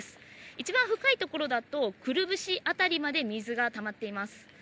一番深い所だと、くるぶし辺りまで水がたまっています。